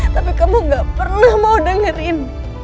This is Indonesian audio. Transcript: tapi kamu gak pernah mau dengerin